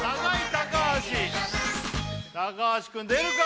高橋高橋くん出るか？